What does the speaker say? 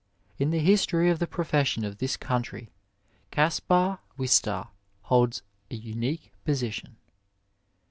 In the history of the profession of this country Caspar Wistar holds an unique position.